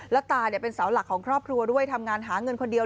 แล้วตาเป็นเสาหลักของครอบครัวด้วยทำงานหาเงินคนเดียว